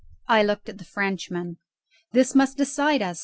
I looked at the Frenchman. "This must decide us!"